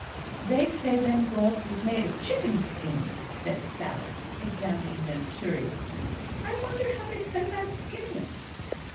"They say them gloves is made of chickens' skins," said Sally, examining them curiously. "I wonder how they set about skinning 'em."